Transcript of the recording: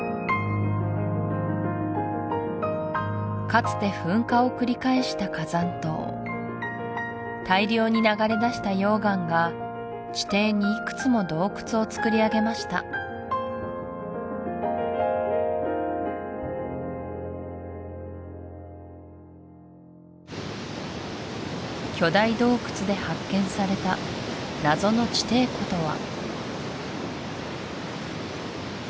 かつて噴火を繰り返した火山島大量に流れ出した溶岩が地底にいくつも洞窟をつくり上げました巨大洞窟で発見された謎の地底湖とは？